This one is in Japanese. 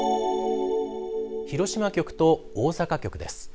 広島局と大阪局です。